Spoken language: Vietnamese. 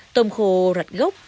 tôm khô rạch gốc